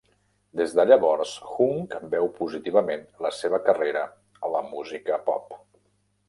Des de llavors, Hung veu positivament la seva carrera a la música pop.